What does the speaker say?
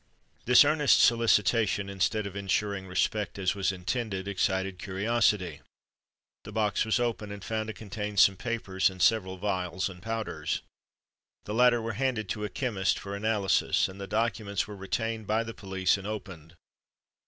This earnest solicitation, instead of insuring respect, as was intended, excited curiosity. The box was opened, and found to contain some papers, and several vials and powders. The latter were handed to a chemist for analysis, and the documents were retained by the police, and opened.